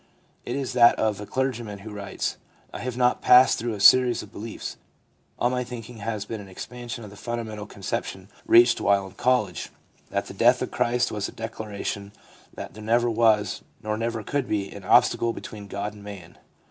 It is that of a clergyman who writes :' I have not passed through a series of beliefs. All my thinking has been an expan sion of the fundamental conception reached while in college that the death of Christ was a declaration that there never was, nor ever could be, an obstacle between God and man.